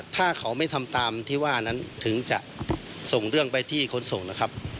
ถ้าเขาไม่ทำตามที่ว่านั้นถึงจะส่งเรื่องไปที่ขนส่งนะครับ